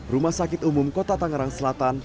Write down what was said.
rumah sakit umum kota tangerang selatan